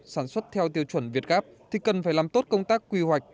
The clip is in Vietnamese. sản xuất theo tiêu chuẩn việt gáp thì cần phải làm tốt công tác quy hoạch